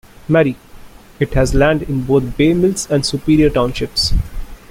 Marie; it has land in both Bay Mills and Superior townships.